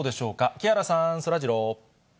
木原さん、そらジロー。